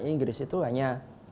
inggris itu hanya